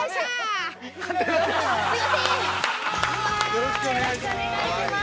よろしくお願いします。